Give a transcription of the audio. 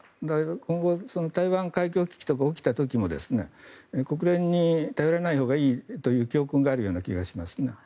今後、台湾海峡危機とかが起きた時も国連に頼らないほうがいいという教訓があるような気がしますね。